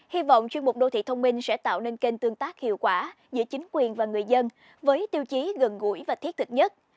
hy vọng chuyên mục đô thị thông minh sẽ tạo nên kênh tương tác hiệu quả giữa chính quyền và người dân với tiêu chí gần gũi và thiết thực nhất